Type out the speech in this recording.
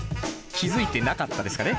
気付いてなかったですかね。